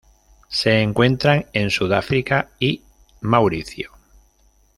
Se encuentran en Sudáfrica y Mauricio.